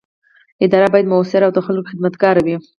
اداره باید مؤثره او د خلکو خدمتګاره وي.